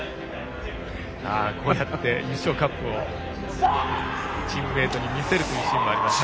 優勝カップをチームメートに見せるというシーンもありました。